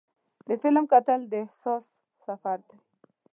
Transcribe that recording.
د فلم کتل د احساس سفر دی.